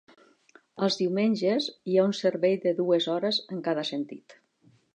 Els diumenges, hi ha un servei de dues hores en cada sentit.